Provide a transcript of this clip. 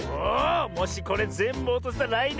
もしこれぜんぶおとせたららいねん